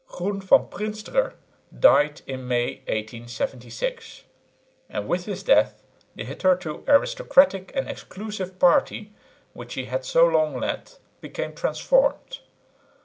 Groen van Prinsterer died in May, 1876; and with his death the hitherto aristocratic and exclusive party, which he had so long led, became transformed.